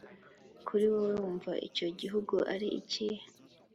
Kuri wowe wumva icyo gihugu ari ikihe?